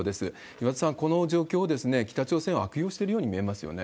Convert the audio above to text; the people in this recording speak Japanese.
岩田さん、この状況を北朝鮮は悪用しているように見えますよね。